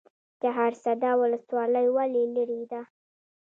چهارسده ولسوالۍ ولې لیرې ده؟